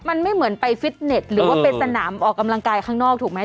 มันไม่เหมือนไปฟิตเน็ตหรือว่าไปสนามออกกำลังกายข้างนอกถูกไหม